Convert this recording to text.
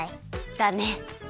だね。